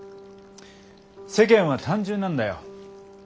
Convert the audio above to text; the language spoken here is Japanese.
世間は単純なんだよ。